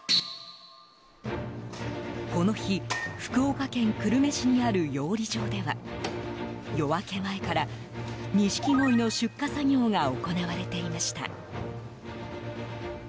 この日、福岡県久留米市にある養鯉場では夜明け前から、ニシキゴイの出荷作業が行われていました。